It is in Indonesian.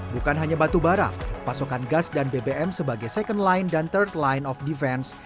bukan hanya batubara pasokan gas dan bbm sebagai second line dan third line of defense